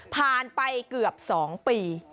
ผ่านไปเกือบ๒ปี